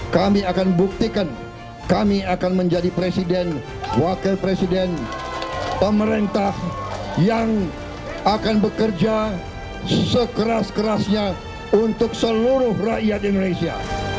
kami akan buktikan kami akan menjadi presiden wakil presiden pemerintah yang akan bekerja sekeras kerasnya untuk seluruh rakyat indonesia